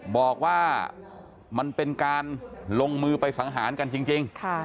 บอกว่ามันเป็นการลงมือไปสังหารกันจริง